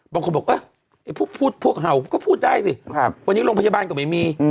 บางคนบอกพูดพวกเห่าก็พูดได้สิวันนี้โรงพยาบาลก็ไม่มี